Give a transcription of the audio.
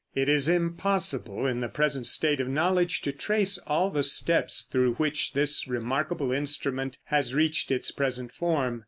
It is impossible in the present state of knowledge to trace all the steps through which this remarkable instrument has reached its present form.